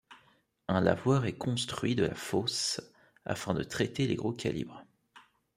Un lavoir est construit de la fosse afin de traiter les gros calibres.